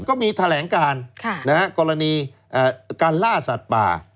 ก็มีแถลงการกรณีการล่าสัตว์ป่า